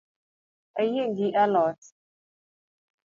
Ayieng’ gi a lot